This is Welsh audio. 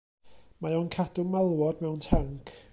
Mae o'n cadw malwod mewn tanc.